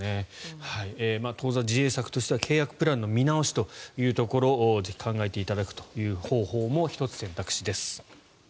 当座、自衛策としては契約プランの見直しというところぜひ考えていただくという方法も１つ選択肢です。